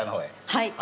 はい。